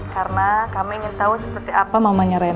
karena kami ingin tahu seperti apa mamanya rena